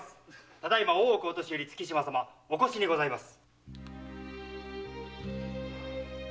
ただ今大奥御年寄月島様お越しにございます。